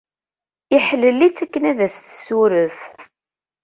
Iḥellel-itt akken ad as-tessuref.